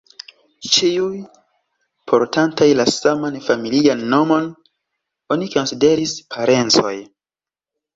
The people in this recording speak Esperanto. Ĉiuj, portantaj la saman familian nomon, oni konsideris parencoj.